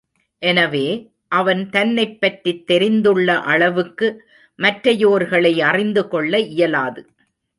எனவே, அவன் தன்னைப் பற்றித் தெரிந்துள்ள அளவுக்கு மற்றையோர்களை அறிந்துகொள்ள இயலாது.